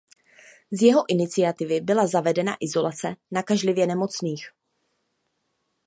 Z jeho iniciativy byla zavedena izolace nakažlivě nemocných.